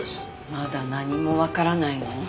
まだ何もわからないの？